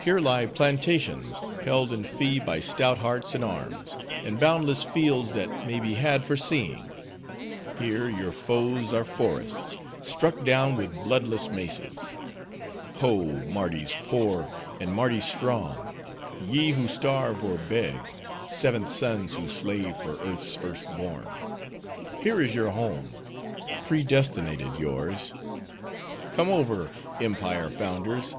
Here lie plantations, held in fee by stout hearts and arms; and boundless fields, that may be had for seeing. Here, your foes are forests, struck down with bloodless maces.—Ho! Mardi's Poor, and Mardi's Strong! ye, who starve or beg; seventh sons who slave for earth's first born—here is your home; predestinated yours; Come over, Empire founders!